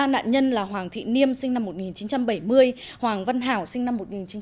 ba nạn nhân là hoàng thị niêm sinh năm một nghìn chín trăm bảy mươi hoàng văn hảo sinh năm một nghìn chín trăm tám mươi